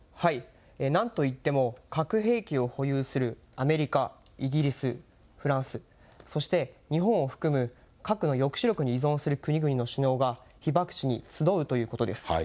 なんといっても核兵器を保有するアメリカ、イギリス、フランス、そして日本を含む核の抑止力に依存する国々の首脳が被爆地に集うということです。